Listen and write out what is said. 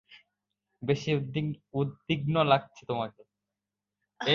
বেশি উদ্বিগ্ন লাগছে তোমাকে।